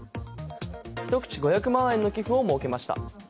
１口５００万円の寄付を設けました。